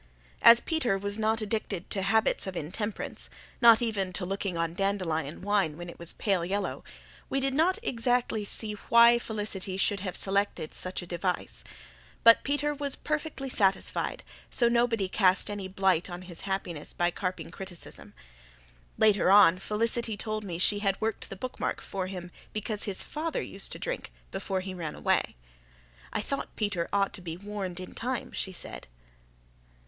As Peter was not addicted to habits of intemperance, not even to looking on dandelion wine when it was pale yellow, we did not exactly see why Felicity should have selected such a device. But Peter was perfectly satisfied, so nobody cast any blight on his happiness by carping criticism. Later on Felicity told me she had worked the bookmark for him because his father used to drink before he ran away. "I thought Peter ought to be warned in time," she said.